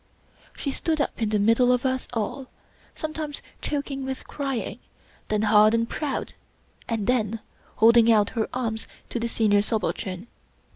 She stood up in the middle of us all, sometimes choking with crying, then hard and proud, and then holding out her arms to the Senior Subaltern.